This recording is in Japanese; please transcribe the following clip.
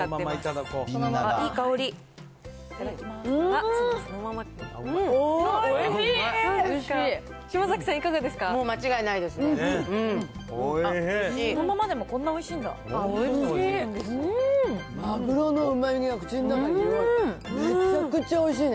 このままでもこんなにおいしおいしい。